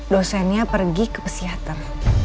dosennya pergi ke psikiater